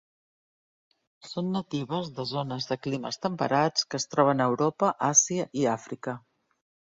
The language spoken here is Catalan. Són natives de zones de climes temperats que es troben a Europa Àsia i Àfrica.